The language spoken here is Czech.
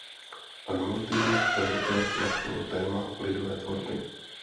Romantismus v Evropě nastolil téma lidové tvorby.